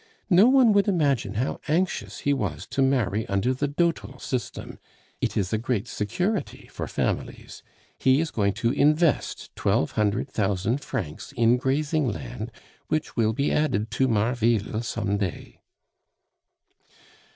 No one would imagine how anxious he was to marry under the dotal system. It is a great security for families. He is going to invest twelve hundred thousand francs in grazing land, which will be added to Marville some day."